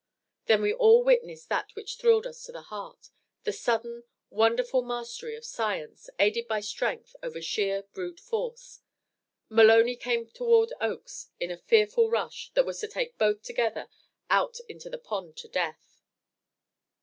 Then we all witnessed that which thrilled us to the heart the sudden, wonderful mastery of science, aided by strength, over sheer brute force. Maloney came toward Oakes in a fearful rush that was to take both together out into the pond to death.